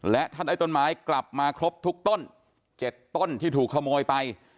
และท่านได้ต้นไม้กลับมาครบทุกต้น๗ต้นที่ถูกขโมยไป